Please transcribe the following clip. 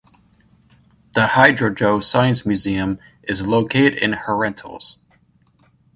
The Hidrodoe science museum is located in Herentals.